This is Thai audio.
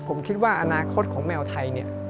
ผมคิดว่าอนาคตของแมวไทย